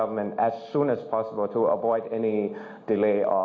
เพราะทำงานแรงดังนั้น